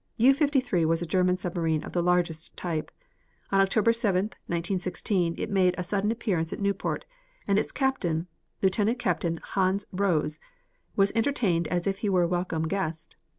U 53 was a German submarine of the largest type. On October 7, 1916, it made a sudden appearance at Newport, and its captain, Lieutenant Captain Hans Rose, was entertained as if he were a welcome guest.